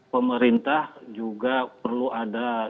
pemerintah juga perlu ada